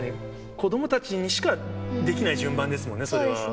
子どもたちにしかできない順番ですもんね、それは。